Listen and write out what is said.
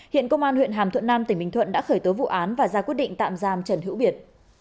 hiện công an huyện hàm thuận nam tỉnh bình thuận đã khởi tố vụ án và ra quyết định tạm giam trần hữu biệt